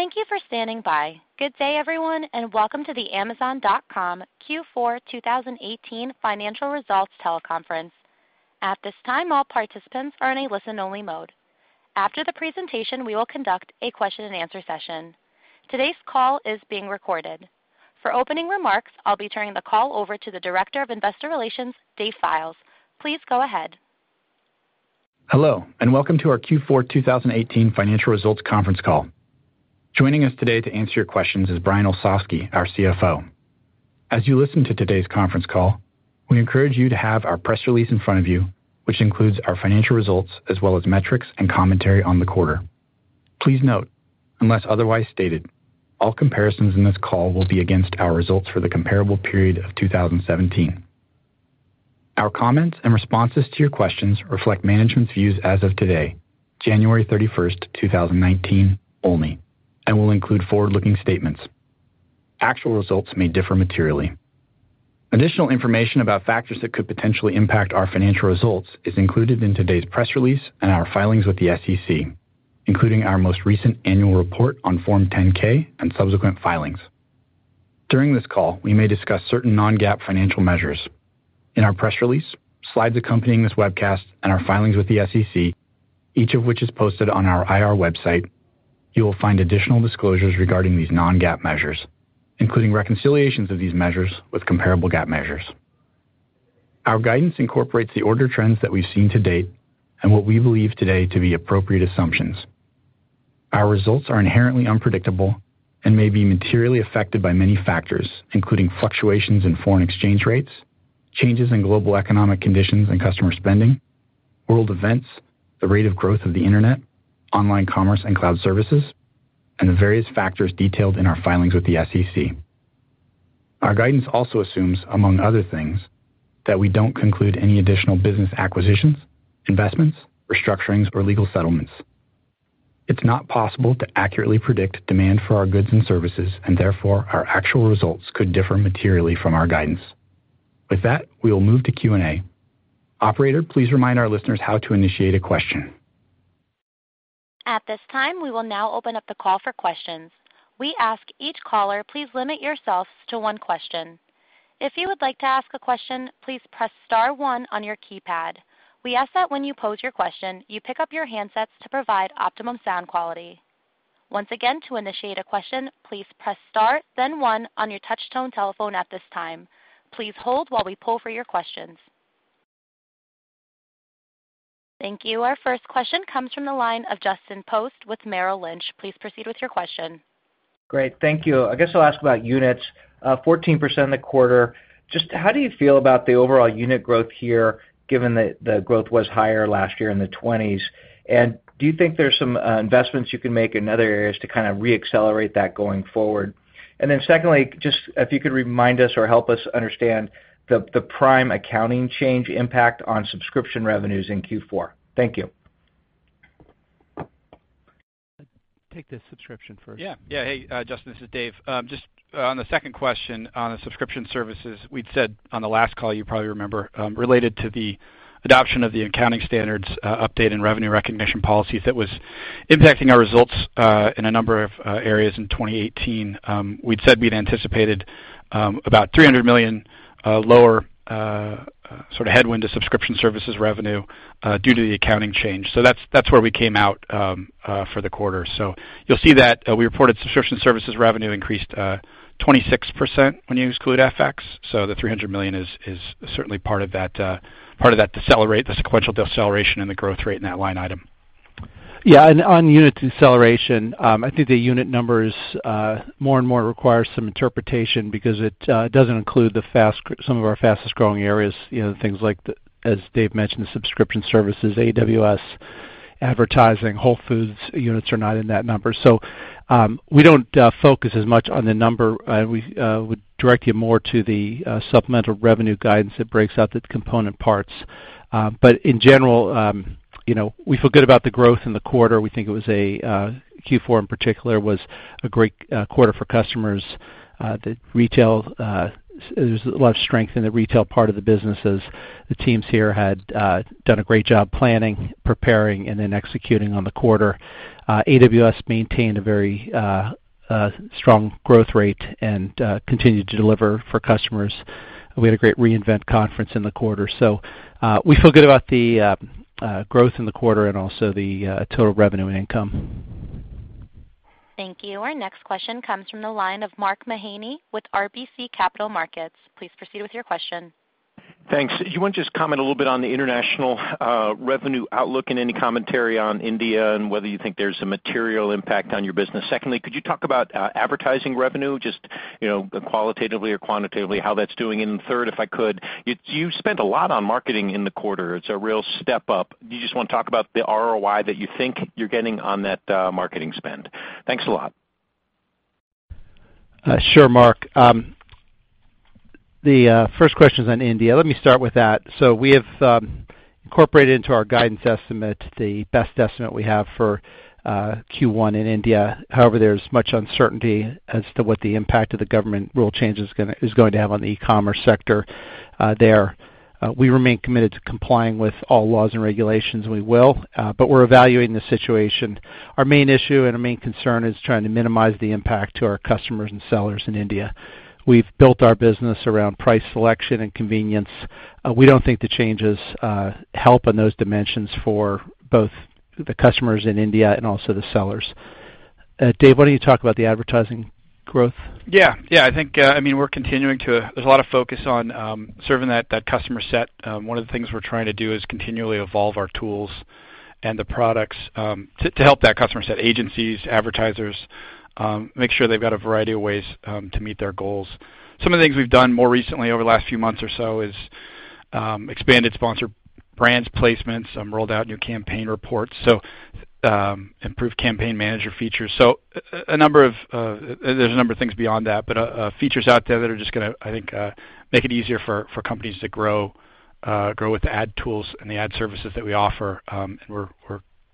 Thank you for standing by. Good day, everyone, and welcome to the Amazon.com Q4 2018 financial results teleconference. At this time, all participants are in a listen-only mode. After the presentation, we will conduct a question and answer session. Today's call is being recorded. For opening remarks, I'll be turning the call over to the Director of Investor Relations, Dave Fildes. Please go ahead. Hello, and welcome to our Q4 2018 financial results conference call. Joining us today to answer your questions is Brian Olsavsky, our CFO. As you listen to today's conference call, we encourage you to have our press release in front of you, which includes our financial results as well as metrics and commentary on the quarter. Please note, unless otherwise stated, all comparisons in this call will be against our results for the comparable period of 2017. Our comments and responses to your questions reflect management's views as of today, January 31st, 2019, only, and will include forward-looking statements. Actual results may differ materially. Additional information about factors that could potentially impact our financial results is included in today's press release and our filings with the SEC, including our most recent annual report on Form 10-K and subsequent filings. During this call, we may discuss certain non-GAAP financial measures. In our press release, slides accompanying this webcast, and our filings with the SEC, each of which is posted on our IR website, you will find additional disclosures regarding these non-GAAP measures, including reconciliations of these measures with comparable GAAP measures. Our guidance incorporates the order trends that we've seen to date and what we believe today to be appropriate assumptions. Our results are inherently unpredictable and may be materially affected by many factors, including fluctuations in foreign exchange rates, changes in global economic conditions and customer spending, world events, the rate of growth of the internet, online commerce and cloud services, and the various factors detailed in our filings with the SEC. Our guidance also assumes, among other things, that we don't conclude any additional business acquisitions, investments, restructurings, or legal settlements. It's not possible to accurately predict demand for our goods and services, and therefore, our actual results could differ materially from our guidance. With that, we will move to Q&A. Operator, please remind our listeners how to initiate a question. At this time, we will now open up the call for questions. We ask each caller, please limit yourselves to one question. If you would like to ask a question, please press star one on your keypad. We ask that when you pose your question, you pick up your handsets to provide optimum sound quality. Once again, to initiate a question, please press star then one on your touch-tone telephone at this time. Please hold while we poll for your questions. Thank you. Our first question comes from the line of Justin Post with Merrill Lynch. Please proceed with your question. Great. Thank you. I guess I'll ask about units. 14% in the quarter. Just how do you feel about the overall unit growth here, given that the growth was higher last year in the 20s? Do you think there's some investments you can make in other areas to kind of re-accelerate that going forward? Then secondly, just if you could remind us or help us understand the Prime accounting change impact on subscription revenues in Q4. Thank you. Take the subscription first. Yeah. Hey, Justin, this is Dave. Just on the second question on the subscription services, we'd said on the last call, you probably remember, related to the adoption of the accounting standards update and revenue recognition policy, that was impacting our results in a number of areas in 2018. We'd said we'd anticipated about $300 million lower headwind to subscription services revenue due to the accounting change. That's where we came out for the quarter. You'll see that we reported subscription services revenue increased 26% when you exclude FX. The $300 million is certainly part of that deceleration, the sequential deceleration in the growth rate in that line item. On unit deceleration, I think the unit numbers more and more require some interpretation because it doesn't include some of our fastest-growing areas, things like, as Dave mentioned, the subscription services, AWS, advertising, Whole Foods units are not in that number. We don't focus as much on the number. We would direct you more to the supplemental revenue guidance that breaks out the component parts. In general, we feel good about the growth in the quarter. We think Q4, in particular, was a great quarter for customers. There was a lot of strength in the retail part of the businesses. The teams here had done a great job planning, preparing, and then executing on the quarter. AWS maintained a very strong growth rate and continued to deliver for customers. We had a great re:Invent conference in the quarter. We feel good about the growth in the quarter and also the total revenue and income. Thank you. Our next question comes from the line of Mark Mahaney with RBC Capital Markets. Please proceed with your question. Thanks. Do you want to just comment a little bit on the international revenue outlook and any commentary on India, and whether you think there's a material impact on your business? Secondly, could you talk about advertising revenue, just qualitatively or quantitatively, how that's doing? Third, if I could, you've spent a lot on marketing in the quarter. It's a real step-up. Do you just want to talk about the ROI that you think you're getting on that marketing spend? Thanks a lot. Sure, Mark. The first question's on India. Let me start with that. Incorporated into our guidance estimate, the best estimate we have for Q1 in India. However, there's much uncertainty as to what the impact of the government rule change is going to have on the e-commerce sector there. We remain committed to complying with all laws and regulations, and we will, but we're evaluating the situation. Our main issue and our main concern is trying to minimize the impact to our customers and sellers in India. We've built our business around price selection and convenience. We don't think the changes help in those dimensions for both the customers in India and also the sellers. Dave, why don't you talk about the advertising growth? Yeah. I think there's a lot of focus on serving that customer set. One of the things we're trying to do is continually evolve our tools and the products to help that customer set, agencies, advertisers, make sure they've got a variety of ways to meet their goals. Some of the things we've done more recently over the last few months or so is expanded sponsored brands placements, rolled out new campaign reports, improved campaign manager features. There's a number of things beyond that, but features out there that are just going to, I think, make it easier for companies to grow with the ad tools and the ad services that we offer. We're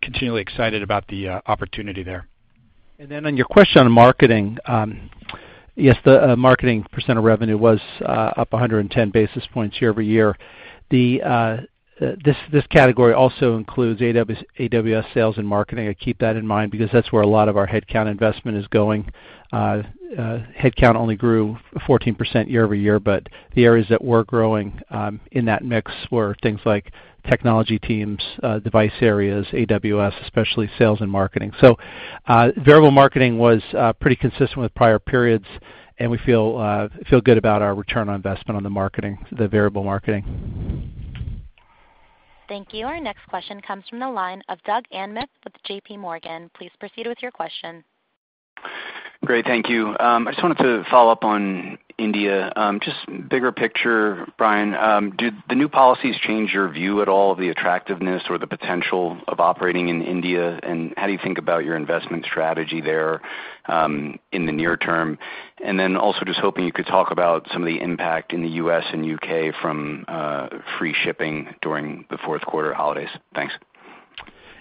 continually excited about the opportunity there. On your question on marketing, yes, the marketing % of revenue was up 110 basis points year-over-year. This category also includes AWS sales and marketing. Keep that in mind, because that's where a lot of our headcount investment is going. Headcount only grew 14% year-over-year, but the areas that were growing in that mix were things like technology teams, device areas, AWS, especially sales and marketing. Variable marketing was pretty consistent with prior periods, and we feel good about our return on investment on the variable marketing. Thank you. Our next question comes from the line of Doug Anmuth with J.P. Morgan. Please proceed with your question. Great. Thank you. I just wanted to follow up on India. Bigger picture, Brian. Do the new policies change your view at all of the attractiveness or the potential of operating in India, and how do you think about your investment strategy there in the near term? Also just hoping you could talk about some of the impact in the U.S. and U.K. from free shipping during the fourth quarter holidays. Thanks.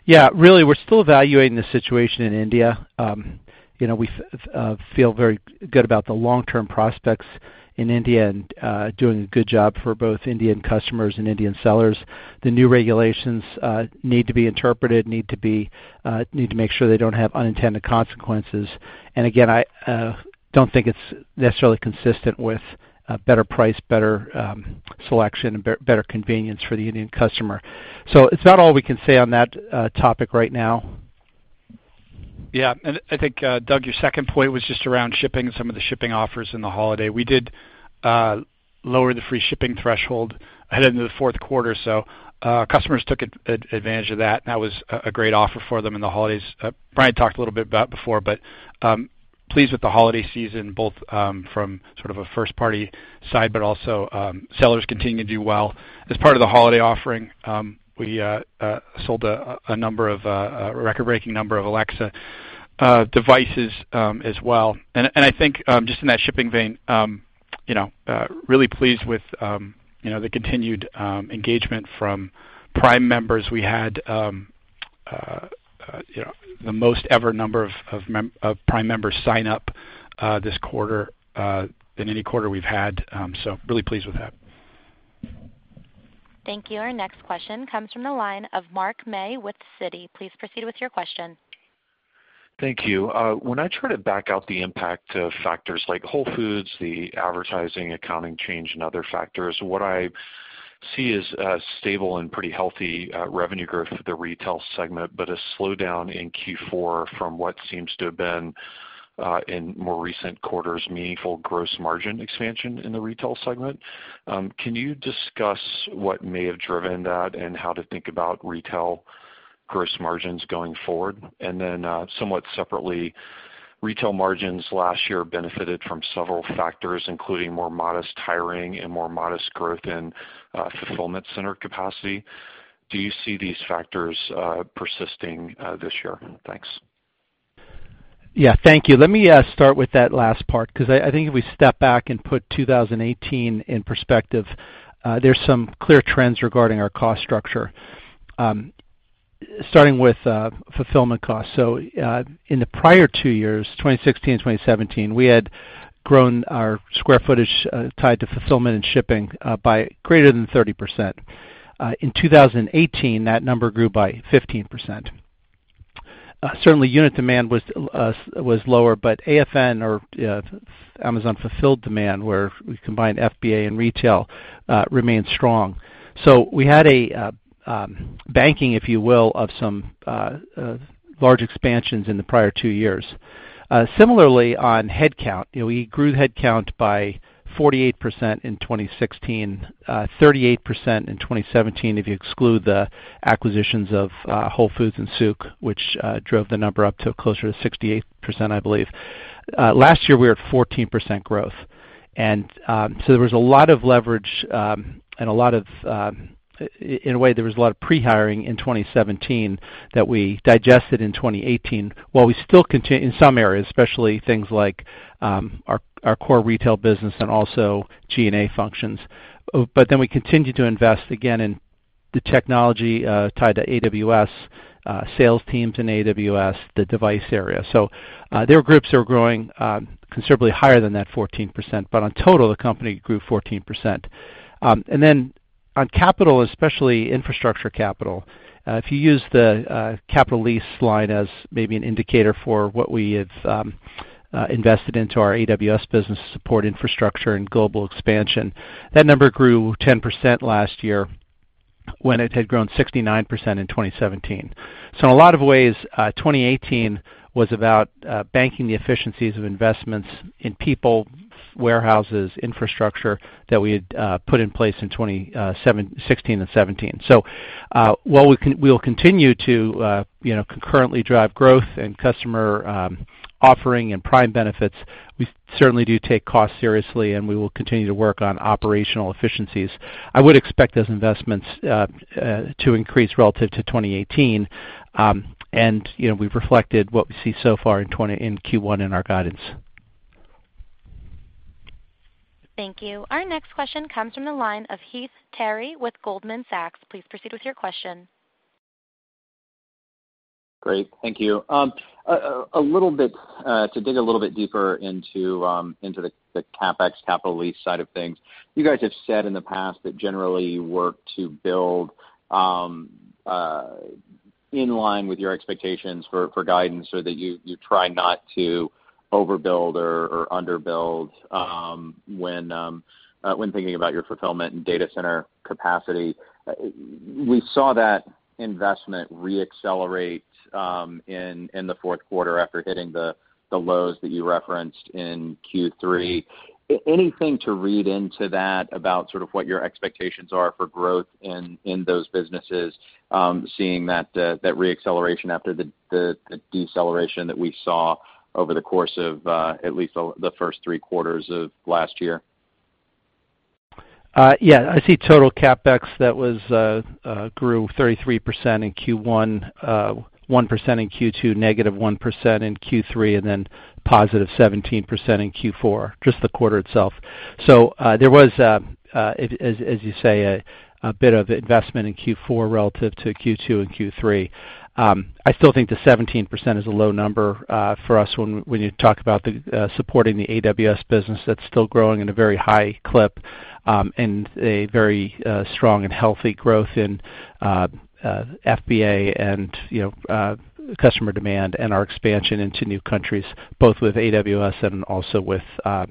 Yeah. Really, we're still evaluating the situation in India. We feel very good about the long-term prospects in India and doing a good job for both Indian customers and Indian sellers. The new regulations need to be interpreted, need to make sure they don't have unintended consequences. Again, I don't think it's necessarily consistent with better price, better selection, and better convenience for the Indian customer. It's about all we can say on that topic right now. Yeah. I think, Doug, your second point was just around shipping and some of the shipping offers in the holiday. We did lower the free shipping threshold ahead into the fourth quarter, customers took advantage of that, and that was a great offer for them in the holidays. Brian talked a little bit about it before, pleased with the holiday season, both from sort of a first-party side, but also sellers continue to do well. As part of the holiday offering, we sold a record-breaking number of Alexa devices as well. I think just in that shipping vein, really pleased with the continued engagement from Prime members. We had the most ever number of Prime members sign up this quarter than any quarter we've had. Really pleased with that. Thank you. Our next question comes from the line of Mark May with Citi. Please proceed with your question. Thank you. When I try to back out the impact of factors like Whole Foods, the advertising, accounting change, and other factors, what I see is a stable and pretty healthy revenue growth for the retail segment, but a slowdown in Q4 from what seems to have been, in more recent quarters, meaningful gross margin expansion in the retail segment. Can you discuss what may have driven that and how to think about retail gross margins going forward? Somewhat separately, retail margins last year benefited from several factors, including more modest hiring and more modest growth in fulfillment center capacity. Do you see these factors persisting this year? Thanks. Yeah. Thank you. Let me start with that last part, because I think if we step back and put 2018 in perspective, there's some clear trends regarding our cost structure, starting with fulfillment costs. In the prior two years, 2016 and 2017, we had grown our square footage tied to fulfillment and shipping by greater than 30%. In 2018, that number grew by 15%. Certainly, unit demand was lower, but AFN or Amazon fulfilled demand, where we combined FBA and retail, remained strong. We had a banking, if you will, of some large expansions in the prior two years. Similarly, on headcount, we grew headcount by 48% in 2016, 38% in 2017, if you exclude the acquisitions of Whole Foods and Souq, which drove the number up to closer to 68%, I believe. Last year, we were at 14% growth. There was a lot of leverage, and in a way, there was a lot of pre-hiring in 2017 that we digested in 2018, while we still continue in some areas, especially things like our core retail business and also G&A functions. We continued to invest again in the technology tied to AWS sales teams and AWS, the device area. There are groups that are growing considerably higher than that 14%, but on total, the company grew 14%. On capital, especially infrastructure capital, if you use the capital lease line as maybe an indicator for what we have invested into our AWS business support infrastructure and global expansion, that number grew 10% last year, when it had grown 69% in 2017. In a lot of ways, 2018 was about banking the efficiencies of investments in people, warehouses, infrastructure that we had put in place in 2016 and '17. While we'll continue to concurrently drive growth and customer offering and Prime benefits, we certainly do take cost seriously, and we will continue to work on operational efficiencies. I would expect those investments to increase relative to 2018. We've reflected what we see so far in Q1 in our guidance. Thank you. Our next question comes from the line of Heath Terry with Goldman Sachs. Please proceed with your question. Great. Thank you. To dig a little bit deeper into the CapEx capital lease side of things, you guys have said in the past that generally you work to build in line with your expectations for guidance so that you try not to overbuild or under build when thinking about your fulfillment and data center capacity. We saw that investment re-accelerate in the fourth quarter after hitting the lows that you referenced in Q3. Anything to read into that about sort of what your expectations are for growth in those businesses, seeing that re-acceleration after the deceleration that we saw over the course of at least the first three quarters of last year? I see total CapEx that grew 33% in Q1, 1% in Q2, negative 1% in Q3, positive 17% in Q4, just the quarter itself. There was, as you say, a bit of investment in Q4 relative to Q2 and Q3. I still think the 17% is a low number for us when you talk about supporting the AWS business that's still growing at a very high clip, a very strong and healthy growth in FBA, and customer demand and our expansion into new countries, both with AWS and also with our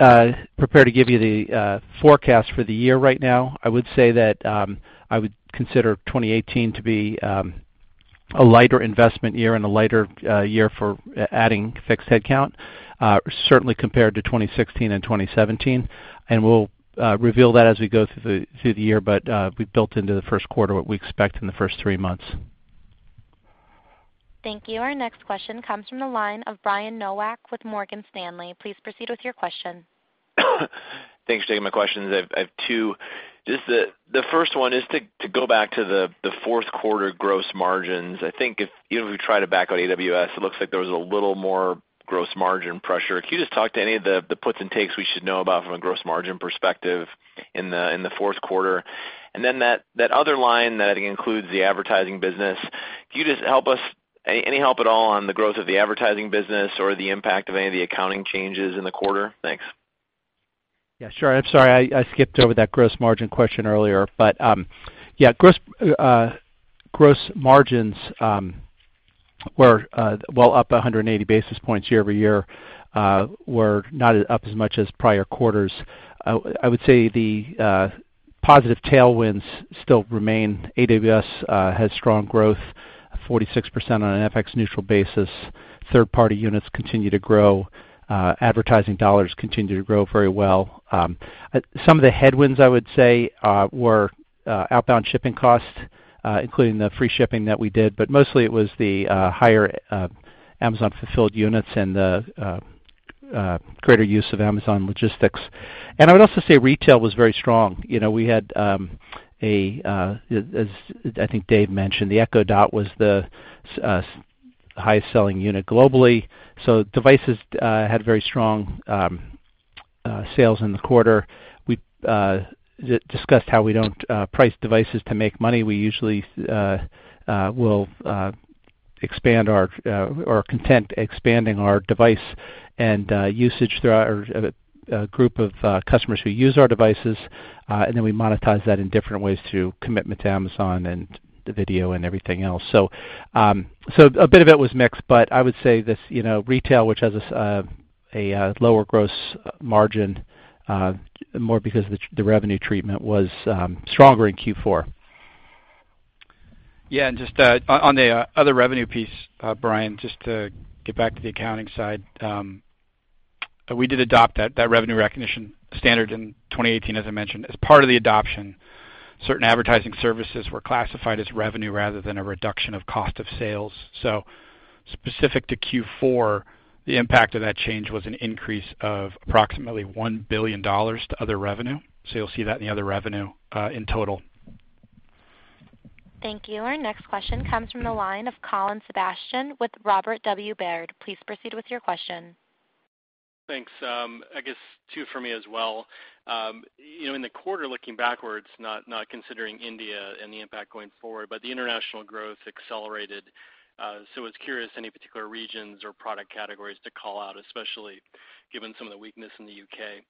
core consumer business. I am not prepared to give you the forecast for the year right now. I would say that I would consider 2018 to be a lighter investment year and a lighter year for adding fixed headcount, certainly compared to 2016 and 2017. We'll reveal that as we go through the year. We've built into the first quarter what we expect in the first three months. Thank you. Our next question comes from the line of Brian Nowak with Morgan Stanley. Please proceed with your question. Thanks for taking my questions. I have two. The first one is to go back to the fourth quarter gross margins. I think if we try to back out AWS, it looks like there was a little more gross margin pressure. Can you just talk to any of the puts and takes we should know about from a gross margin perspective in the fourth quarter? That other line that includes the advertising business, can you just help us, any help at all on the growth of the advertising business or the impact of any of the accounting changes in the quarter? Thanks. Yeah, sure. I'm sorry I skipped over that gross margin question earlier. Yeah, gross margins were well up 180 basis points year-over-year, were not up as much as prior quarters. I would say the positive tailwinds still remain. AWS has strong growth, 46% on an FX neutral basis. Third-party units continue to grow. Advertising dollars continue to grow very well. Some of the headwinds, I would say, were outbound shipping costs, including the free shipping that we did, but mostly it was the higher Amazon fulfilled units and the greater use of Amazon Logistics. I would also say retail was very strong. We had, as I think Dave mentioned, the Echo Dot was the highest-selling unit globally. Devices had very strong sales in the quarter. We discussed how we don't price devices to make money. We usually will expand our content, expanding our device and usage through our group of customers who use our devices, then we monetize that in different ways through commitment to Amazon and the video and everything else. A bit of it was mixed, I would say this, retail, which has a lower gross margin, more because the revenue treatment was stronger in Q4. Yeah, just on the other revenue piece, Brian, just to get back to the accounting side. We did adopt that revenue recognition standard in 2018, as I mentioned. As part of the adoption, certain advertising services were classified as revenue rather than a reduction of cost of sales. Specific to Q4, the impact of that change was an increase of approximately $1 billion to other revenue. You'll see that in the other revenue in total. Thank you. Our next question comes from the line of Colin Sebastian with Robert W. Baird. Please proceed with your question. Thanks. I guess two for me as well. In the quarter, looking backwards, not considering India and the impact going forward, the international growth accelerated. I was curious, any particular regions or product categories to call out, especially given some of the weakness in the U.K.?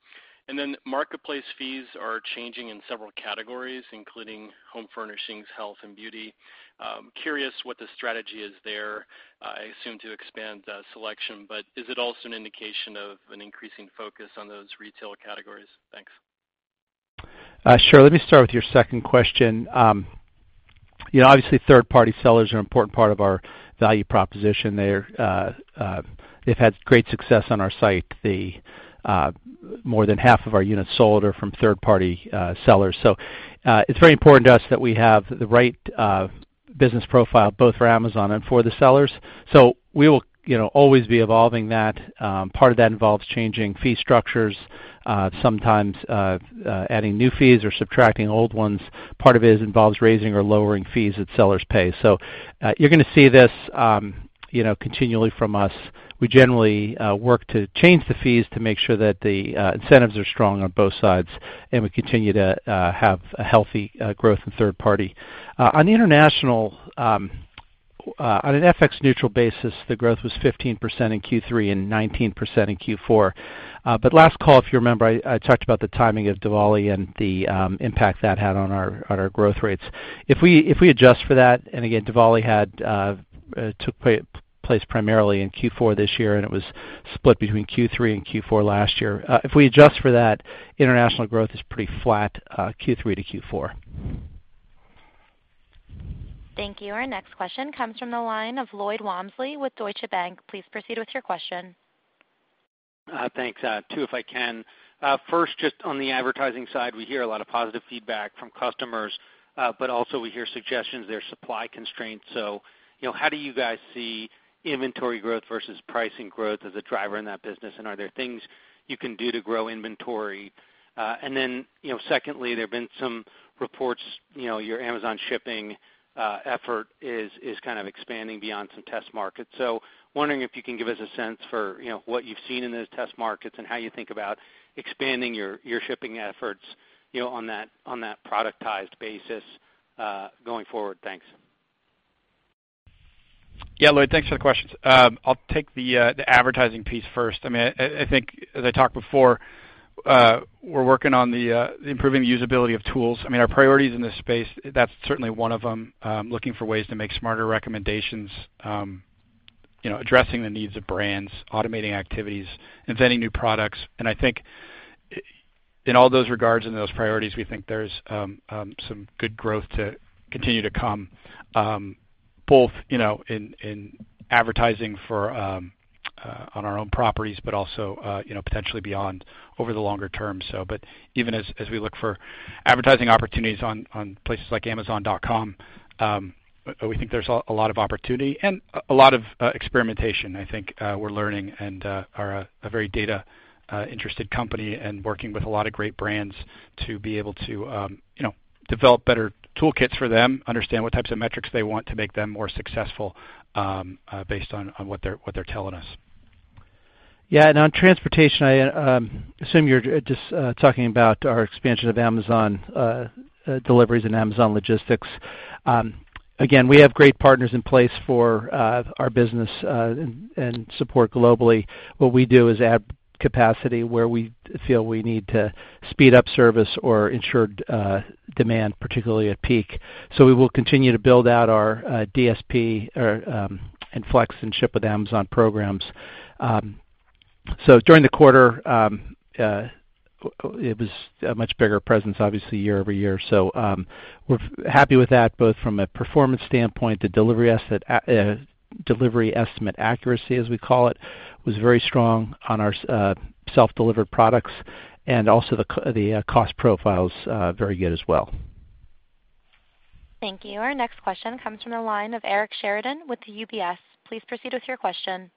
Then marketplace fees are changing in several categories, including home furnishings, health, and beauty. Curious what the strategy is there. I assume to expand selection, is it also an indication of an increasing focus on those retail categories? Thanks. Sure. Let me start with your second question. Obviously, third-party sellers are an important part of our value proposition. They've had great success on our site. More than half of our units sold are from third-party sellers. It's very important to us that we have the right business profile, both for Amazon and for the sellers. We will always be evolving that. Part of that involves changing fee structures, sometimes adding new fees or subtracting old ones. Part of it involves raising or lowering fees that sellers pay. You're going to see this continually from us. We generally work to change the fees to make sure that the incentives are strong on both sides, and we continue to have a healthy growth in third party. On the international, on an FX-neutral basis, the growth was 15% in Q3 and 19% in Q4. Last call, if you remember, I talked about the timing of Diwali and the impact that had on our growth rates. If we adjust for that, and again, Diwali took place primarily in Q4 this year, and it was split between Q3 and Q4 last year. If we adjust for that, international growth is pretty flat Q3 to Q4. Thank you. Our next question comes from the line of Lloyd Walmsley with Deutsche Bank. Please proceed with your question. Thanks. Two, if I can. First, just on the advertising side, we hear a lot of positive feedback from customers, but also we hear suggestions there are supply constraints. Wondering if you can give us a sense for what you've seen in those test markets and how you think about expanding your shipping efforts on that productized basis going forward. Thanks. Yeah, Lloyd, thanks for the questions. I'll take the advertising piece first. I think as I talked before, we're working on improving the usability of tools. Our priorities in this space, that's certainly one of them, looking for ways to make smarter recommendations, addressing the needs of brands, automating activities, inventing new products. I think in all those regards, in those priorities, we think there's some good growth to continue to come, both in advertising on our own properties, but also potentially beyond over the longer term. Even as we look for advertising opportunities on places like amazon.com, we think there's a lot of opportunity and a lot of experimentation. I think we're learning and are a very data-interested company and working with a lot of great brands to be able to develop better toolkits for them, understand what types of metrics they want to make them more successful based on what they're telling us. On transportation, I assume you're just talking about our expansion of Amazon deliveries and Amazon Logistics. We have great partners in place for our business and support globally. What we do is add capacity where we feel we need to speed up service or ensure demand, particularly at peak. We will continue to build out our DSP and Flex and Ship with Amazon programs. During the quarter, it was a much bigger presence, obviously year-over-year. We're happy with that, both from a performance standpoint, the delivery estimate accuracy, as we call it, was very strong on our self-delivered products, and also the cost profile's very good as well. Thank you. Our next question comes from the line of Eric Sheridan with UBS. Please proceed with your question.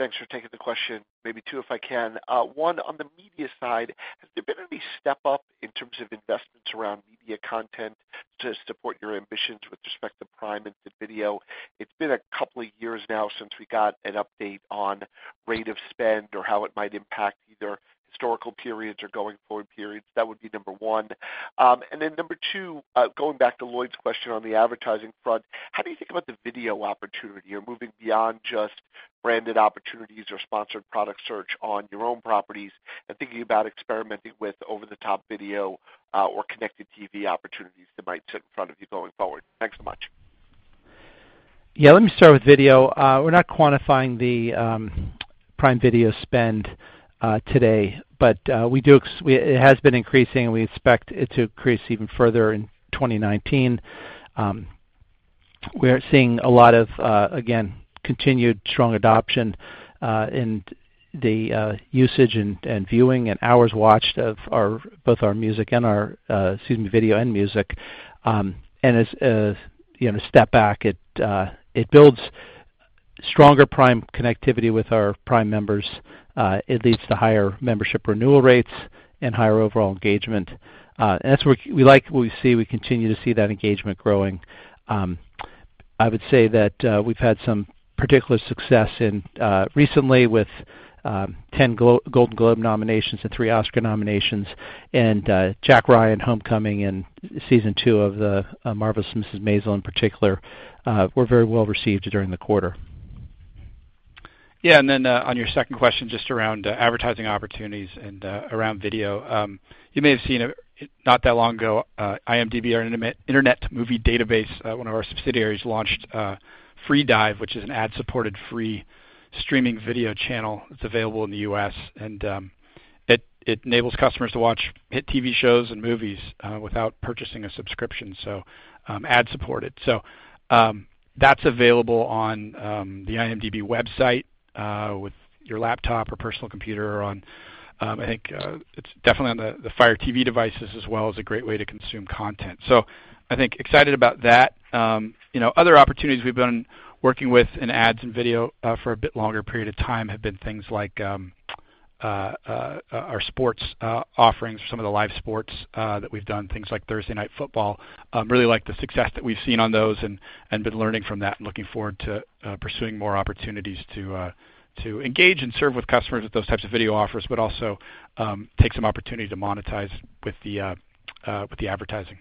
Thanks for taking the question. Maybe two, if I can. One, on the media side, has there been any step up in terms of investments around media content to support your ambitions with respect to Prime and the video? It's been a couple of years now since we got an update on rate of spend or how it might impact either historical periods or going-forward periods. That would be number one. Then number two, going back to Lloyd's question on the advertising front, how do you think about the video opportunity, or moving beyond just branded opportunities or sponsored product search on your own properties, and thinking about experimenting with over-the-top video or connected TV opportunities that might sit in front of you going forward? Thanks so much. Let me start with video. We're not quantifying the Prime Video spend today, but it has been increasing, and we expect it to increase even further in 2019. We're seeing a lot of, again, continued strong adoption in the usage and viewing and hours watched of both our video and music. As a step back, it builds stronger Prime connectivity with our Prime members, it leads to higher membership renewal rates and higher overall engagement. We like what we see. We continue to see that engagement growing. I would say that we've had some particular success recently with 10 Golden Globe nominations and three Oscar nominations, and "Jack Ryan: Homecoming" and Season Two of "The Marvelous Mrs. Maisel" in particular, were very well received during the quarter. On your second question, just around advertising opportunities and around video. You may have seen not that long ago, IMDb, Internet Movie Database, one of our subsidiaries, launched Freedive, which is an ad-supported, free streaming video channel that's available in the U.S., and it enables customers to watch hit TV shows and movies without purchasing a subscription, so ad-supported. That's available on the IMDb website, with your laptop or personal computer, or on, I think, it's definitely on the Fire TV devices as well as a great way to consume content. I think excited about that. Other opportunities we've been working with in ads and video for a bit longer period of time have been things like our sports offerings for some of the live sports that we've done, things like Thursday Night Football. Really like the success that we've seen on those, and been learning from that, and looking forward to pursuing more opportunities to engage and serve with customers with those types of video offers, but also take some opportunity to monetize with the advertising.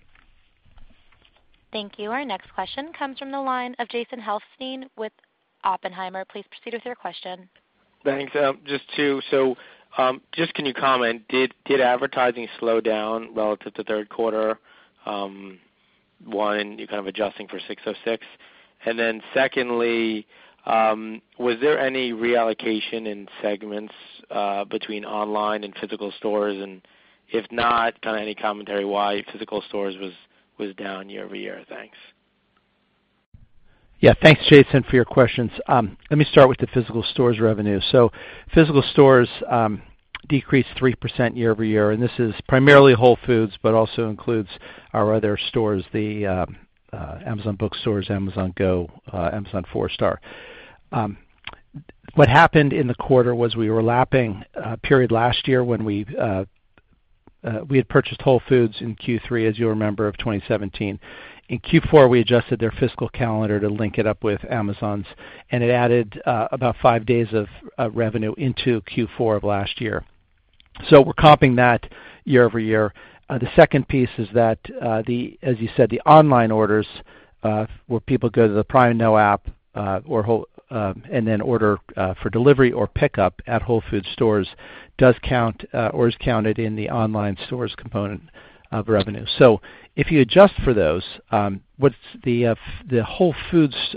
Thank you. Our next question comes from the line of Jason Helfstein with Oppenheimer. Please proceed with your question. Thanks. Just two. Just can you comment, did advertising slow down relative to third quarter? One, you're kind of adjusting for ASC 606. Secondly, was there any reallocation in segments between online and physical stores? If not, kind of any commentary why physical stores was down year-over-year? Thanks. Yeah. Thanks, Jason, for your questions. Let me start with the physical stores revenue. Physical stores decreased 3% year-over-year, and this is primarily Whole Foods, but also includes our other stores, the Amazon bookstores, Amazon Go, Amazon 4-Star. What happened in the quarter was we were lapping a period last year when we had purchased Whole Foods in Q3, as you'll remember, of 2017. In Q4, we adjusted their fiscal calendar to link it up with Amazon's, and it added about five days of revenue into Q4 of last year. We're comping that year-over-year. The second piece is that the, as you said, the online orders where people go to the Prime Now app, and then order for delivery or pickup at Whole Foods stores does count or is counted in the online stores component of revenue. If you adjust for those, the Whole Foods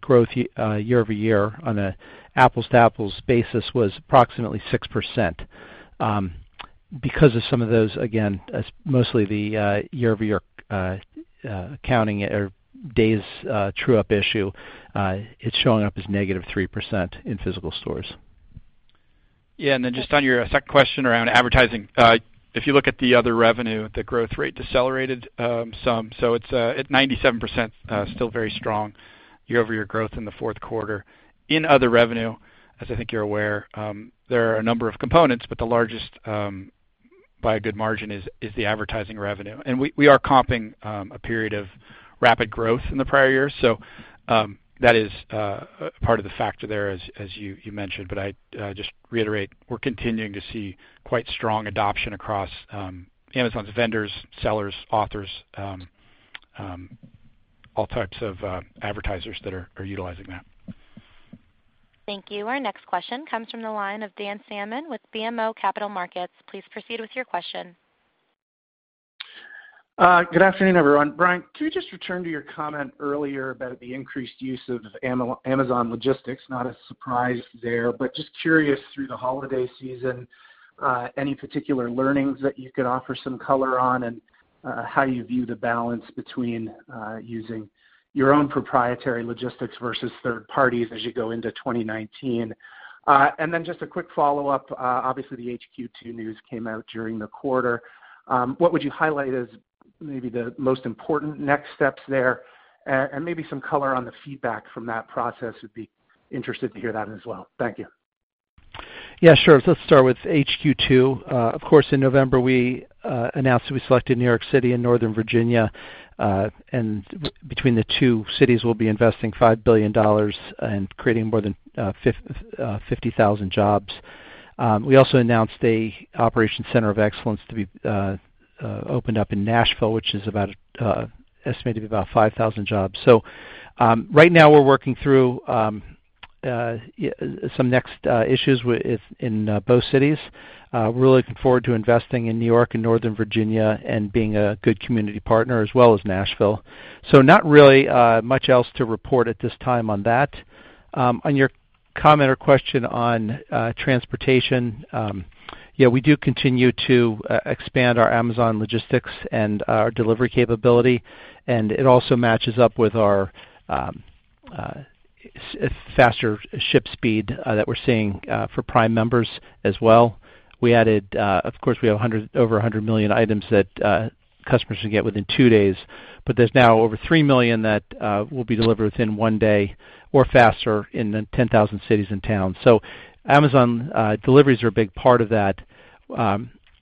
growth year-over-year on a apples-to-apples basis was approximately 6%. Because of some of those, again, mostly the year-over-year accounting or days true-up issue, it's showing up as negative 3% in physical stores. Yeah, just on your second question around advertising. If you look at the other revenue, the growth rate decelerated some, it's at 97%, still very strong year-over-year growth in the fourth quarter. In other revenue, as I think you're aware, there are a number of components, but the largest, by a good margin, is the advertising revenue. We are comping a period of rapid growth in the prior year. That is part of the factor there, as you mentioned. I just reiterate, we're continuing to see quite strong adoption across Amazon's vendors, sellers, authors, all types of advertisers that are utilizing that. Thank you. Our next question comes from the line of Dan Salmon with BMO Capital Markets. Please proceed with your question. Good afternoon, everyone. Brian, can we just return to your comment earlier about the increased use of Amazon Logistics? Not a surprise there, but just curious, through the holiday season, any particular learnings that you could offer some color on, and how you view the balance between using your own proprietary logistics versus third parties as you go into 2019? Just a quick follow-up. Obviously, the HQ2 news came out during the quarter. What would you highlight as maybe the most important next steps there? Maybe some color on the feedback from that process, would be interested to hear that as well. Thank you. Yeah, sure. Let's start with HQ2. Of course, in November, we announced that we selected New York City and Northern Virginia. Between the two cities, we'll be investing $5 billion and creating more than 50,000 jobs. We also announced an operation center of excellence to be opened up in Nashville, which is estimated to be about 5,000 jobs. Right now we're working through some next issues in both cities. Really looking forward to investing in New York and Northern Virginia and being a good community partner, as well as Nashville. Not really much else to report at this time on that. On your comment or question on transportation, yeah, we do continue to expand our Amazon Logistics and our delivery capability, and it also matches up with our faster ship speed that we're seeing for Prime members as well. Of course, we have over 100 million items that customers can get within two days, but there's now over three million that will be delivered within one day or faster in the 10,000 cities and towns. Amazon deliveries are a big part of that.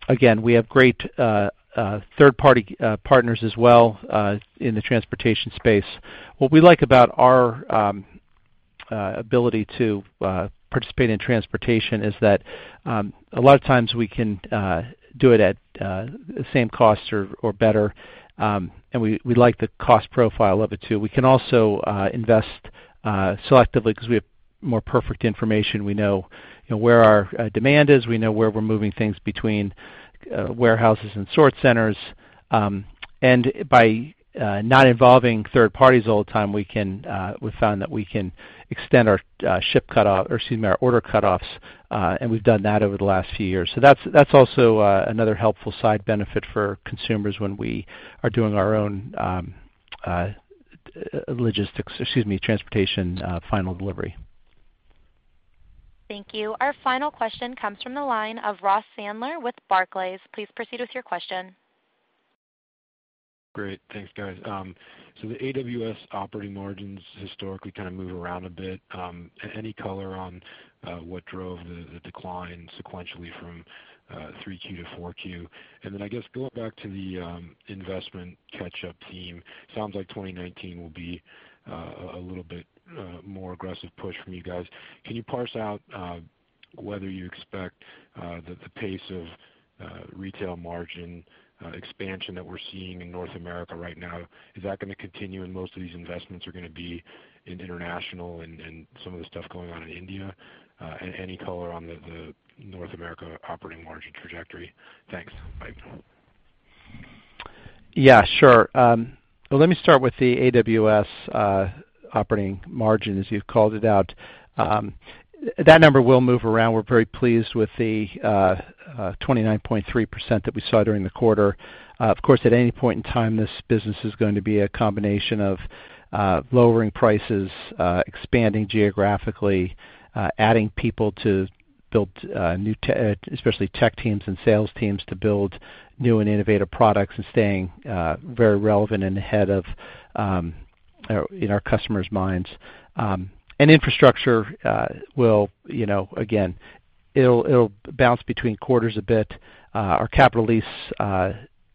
Again, we have great third-party partners as well, in the transportation space. What we like about our ability to participate in transportation is that a lot of times we can do it at the same cost or better, and we like the cost profile of it too. We can also invest selectively because we have more perfect information. We know where our demand is, we know where we're moving things between warehouses and sort centers. By not involving third parties all the time, we've found that we can extend our order cutoffs, and we've done that over the last few years. That is also another helpful side benefit for consumers when we are doing our own transportation final delivery. Thank you. Our final question comes from the line of Ross Sandler with Barclays. Please proceed with your question. Great. Thanks, guys. The AWS operating margins historically kind of move around a bit. Any color on what drove the decline sequentially from 3Q to 4Q? I guess going back to the investment catch-up team, sounds like 2019 will be a little bit more aggressive push from you guys. Can you parse out whether you expect that the pace of retail margin expansion that we're seeing in North America right now, is that going to continue, and most of these investments are going to be in international and some of the stuff going on in India? Any color on the North America operating margin trajectory? Thanks. Bye. Yeah, sure. Let me start with the AWS operating margin, as you've called it out. That number will move around. We're very pleased with the 29.3% that we saw during the quarter. Of course, at any point in time, this business is going to be a combination of lowering prices, expanding geographically, adding people to build, especially tech teams and sales teams, to build new and innovative products, and staying very relevant and ahead in our customers' minds. Infrastructure will, again, it'll bounce between quarters a bit. Our capital lease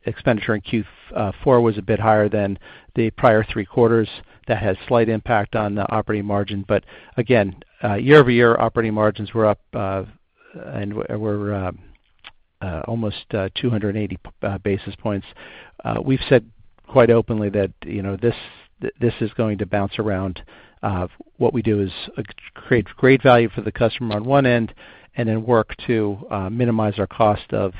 expenditure in Q4 was a bit higher than the prior three quarters. That had slight impact on the operating margin, but again year-over-year operating margins were up, and were almost 280 basis points. We've said quite openly that this is going to bounce around. What we do is create great value for the customer on one end, then work to minimize our cost of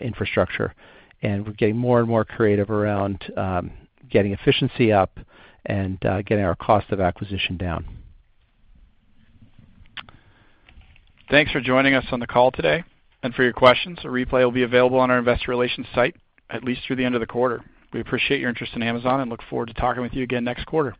infrastructure. We're getting more and more creative around getting efficiency up, and getting our cost of acquisition down. Thanks for joining us on the call today and for your questions. A replay will be available on our investor relations site at least through the end of the quarter. We appreciate your interest in Amazon and look forward to talking with you again next quarter.